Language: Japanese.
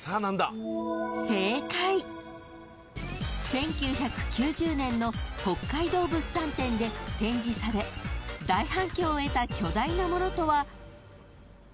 ［１９９０年の北海道物産展で展示され大反響を得た巨大なものとは］